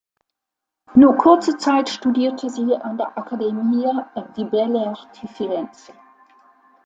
Nur kurze Zeit studierte sie an der Accademia di Belle Arti Firenze.